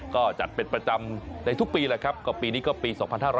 ก็จัดเป็นประจำในทุกปีแหละครับก็ปีนี้ก็ปี๒๕๖๐